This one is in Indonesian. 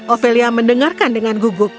ophelia mendengarkan dengan gugup